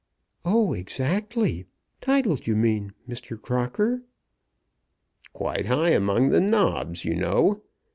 "Oh, exactly; titled you mean, Mr. Crocker?" "Quite high among the nobs, you know.